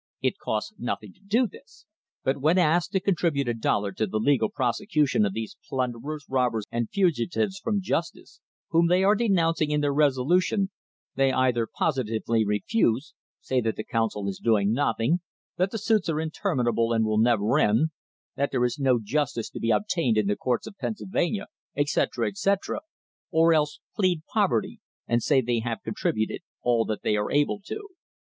It costs nothing to do this, but when asked to contribute a dollar to the legal prosecution of these plunderers, robbers, and fugitives from justice, whom they are denouncing in their resolution, they either positively refuse, say that the Council is doing nothing, that the suits are interminable and will never end, that there is no justice to be obtained in the courts of Pennsylvania, etc., etc., or else plead poverty and say they have contributed all that they are able to.